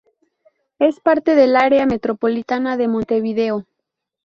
Es parte del área metropolitana de Montevideo.